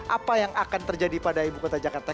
apa yang akan terjadi pada ibu kota jakarta